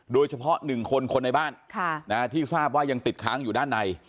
โดยเฉพาะ๑คนคนในบ้านที่ทราบว่ายังติดค้างอยู่ด้านใน